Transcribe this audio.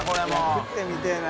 食ってみてぇな。